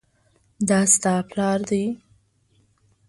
دا ستا پلار دی؟